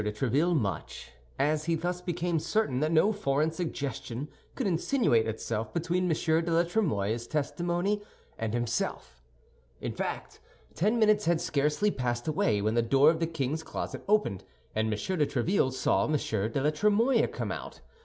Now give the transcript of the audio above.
de Tréville much, as he thus became certain that no foreign suggestion could insinuate itself between M. de la Trémouille's testimony and himself. In fact, ten minutes had scarcely passed away when the door of the king's closet opened, and M. de Tréville saw M. de la Trémouille come out.